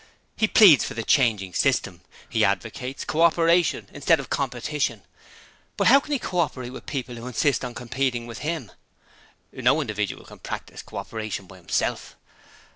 He pleads for the changing of the system. He advocates Co operation instead of Competition: but how can he co operate with people who insist on competing with him? No individual can practise co operation by himself!